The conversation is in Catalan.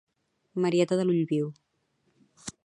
Marieta de l'ull viu